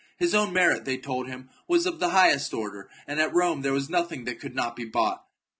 His own merit, they told him, was of the highest order, and at Rome there was nothing that could not be bought.